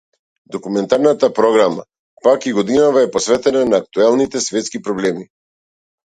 Документарната програма, пак, и годинава е посветена на актуелните светски проблеми.